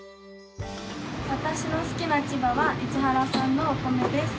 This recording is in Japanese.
わたしの好きな千葉は市原産のお米です。